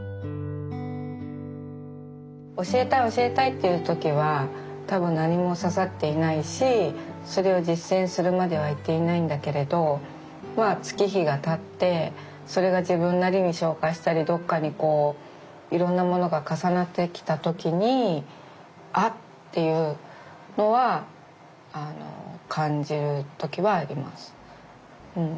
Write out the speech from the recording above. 教えたい教えたいっていう時は多分何も刺さっていないしそれを実践するまではいっていないんだけれどまあ月日がたってそれが自分なりに消化したりどっかにこういろんなものが重なってきた時に「あ」っていうのは感じる時はあります。